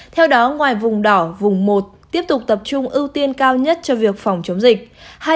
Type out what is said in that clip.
theo đó ngoài vùng đỏ vùng một tiếp tục tập trung ưu tiên cao nhất cho việc phòng chống dịch